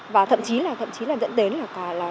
và thậm chí là dẫn đến là